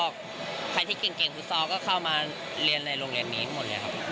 ใครที่เก่งฟุตซอลก็เข้ามาเรียนในโรงเรียนนี้หมดเลยครับ